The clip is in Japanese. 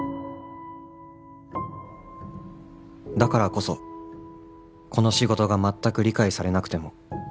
「だからこそこの仕事が全く理解されなくても」